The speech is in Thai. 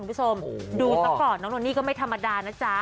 เลยดูตะกรอนักเลยน้องนนอดนี้ก็ไม่ธรรมดาร